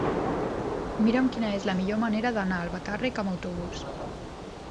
Mira'm quina és la millor manera d'anar a Albatàrrec amb autobús.